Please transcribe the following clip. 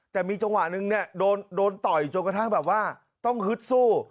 แต่มีจังหวะหนึ่งเนี่ยโดนต่อยจนกระทั่งภายละเอาบ้ามายังต้องฮึดสู้